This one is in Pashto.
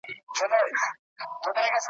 چا توري، چا قلمونه او چا دواړه چلولي دي ,